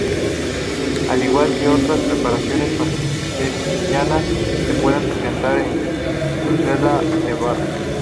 Al igual que otras preparaciones castellanas se suele presentar en cazuela de barro.